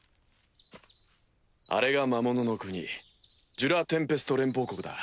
あれが魔物の国ジュラ・テンペスト連邦国だ。